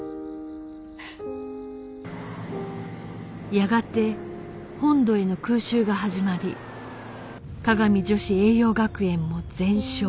やがて本土への空襲が始まり香美女子栄養学園も全焼